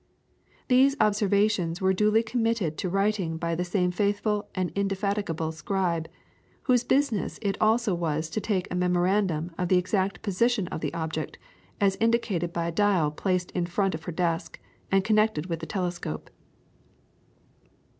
These observations were duly committed to writing by the same faithful and indefatigable scribe, whose business it also was to take a memorandum of the exact position of the object as indicated by a dial placed in front of her desk, and connected with the telescope.